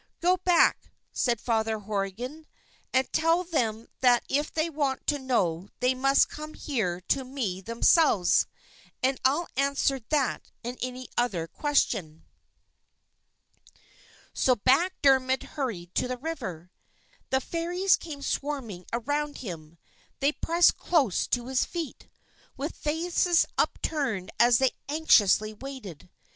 "Go back," said Father Horrigan, "and tell them that if they want to know they must come here to me themselves, and I'll answer that and any other question." So back Dermod hurried to the river. The Fairies came swarming around him. They pressed close to his feet, with faces upturned as they anxiously waited.